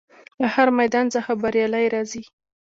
له هر میدان څخه بریالی راځي.